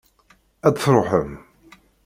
Ad truḥem?